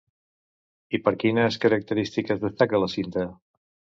I per quines característiques destaca la cinta?